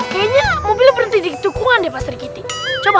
kayaknya berhenti di tukungan depan srikiti coba